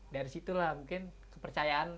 dari situlah mungkin kepercayaan